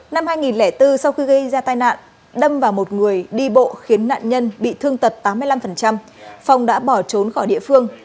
năm hai nghìn bốn sau khi gây ra tai nạn đâm vào một người đi bộ khiến nạn nhân bị thương tật tám mươi năm phong đã bỏ trốn khỏi địa phương